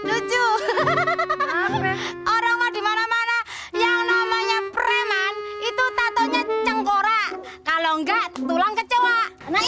orang orang dimana mana yang namanya preman itu tato nya cenggora kalau enggak tulang kecoa nah